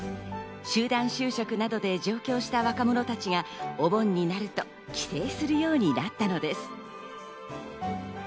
集団就職などで上京した若者たちがお盆になると帰省するようになったのです。